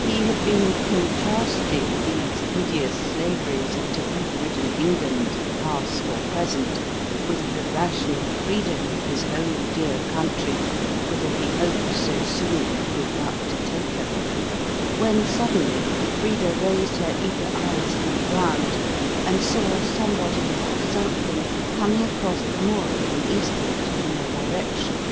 He had been contrasting these hideous slaveries of taboo ridden England, past or present, with the rational freedom of his own dear country, whither he hoped so soon with good luck to take her, when suddenly Frida raised her eager eyes from the ground, and saw somebody or something coming across the moor from eastward in their direction.